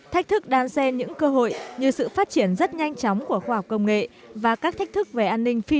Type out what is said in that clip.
thách thức đàn xe những cơ hội như sự phát triển rất nhanh chóng của khoa học công nghệ